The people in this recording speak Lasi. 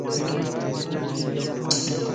ايي ايمان جا ڪپڙان